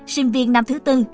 sinh viên năm thứ bốn